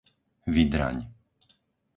Vydraň